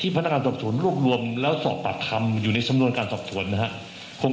ที่พนักการณ์สอบสวนร่วมรวมแล้วสอบปากคำอยู่ในสำนวนการสอบสวน